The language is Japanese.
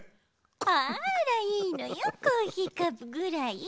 「あらいいのよコーヒーカップぐらい」。